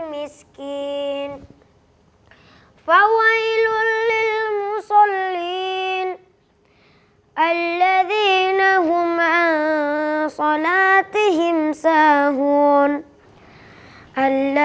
mestri maafiorithy dan kekohianan